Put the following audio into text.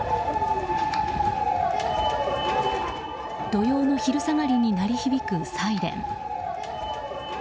土曜の昼下がりに鳴り響くサイレン。